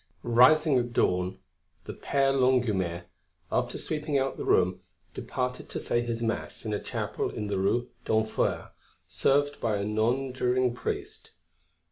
XIV Rising at dawn, the Père Longuemare, after sweeping out the room, departed to say his Mass in a chapel in the Rue d'Enfer served by a nonjuring priest.